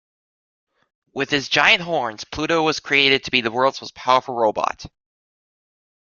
With his giant horns, Pluto was created to be the world's most powerful robot.